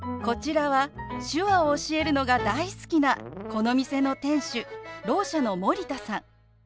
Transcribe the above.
こちらは手話を教えるのが大好きなこの店の店主ろう者の森田さん。